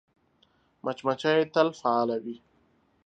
مچمچۍ تل فعاله وي